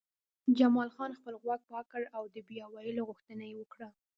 جمال خان خپل غوږ پاک کړ او د بیا ویلو غوښتنه یې وکړه